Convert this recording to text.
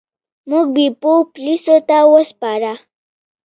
موږ بیپو پولیسو ته وسپاره.